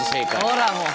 ほらもう！